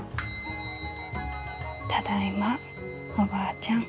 ただいまおばあちゃん。